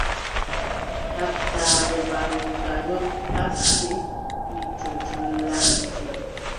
Haaftaago mbarooga non yaaɓti wicco culanndi.